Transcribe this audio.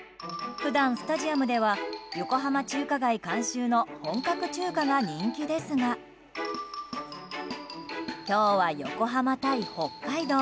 普段、スタジアムでは横浜中華街監修の本格中華が人気ですが今日は横浜対北海道。